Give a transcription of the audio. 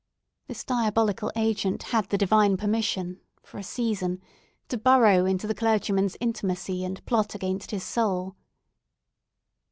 This diabolical agent had the Divine permission, for a season, to burrow into the clergyman's intimacy, and plot against his soul.